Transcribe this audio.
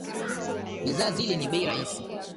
Bidhaa zile ni bei rahisi.